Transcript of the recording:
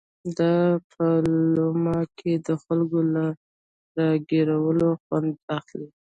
دا په لومه کې د خلکو له را ګيرولو خوند اخلي.